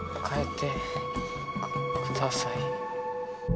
帰ってください。